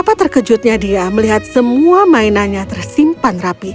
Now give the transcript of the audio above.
apa yang terkejutnya dia melihat semua mainannya tersimpan rapi